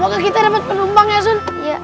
semoga kita dapat penumpang ya zon